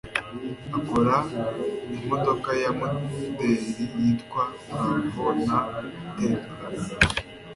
akora Imodoka Ya Moderi Yitwa Bravo na Tempra?